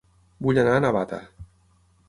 Vull anar a Navata